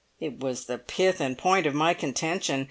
"It was the pith and point of my contention!